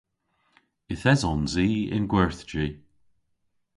Yth esons i yn gwerthji.